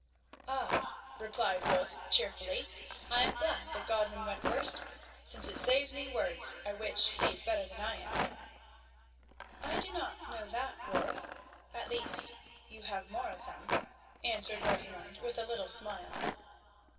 "Ah!" replied Wulf cheerfully; "I am glad that Godwin went first, since it saves me words, at which he is better than I am." "I do not know that, Wulf; at least, you have more of them," answered Rosamund, with a little smile.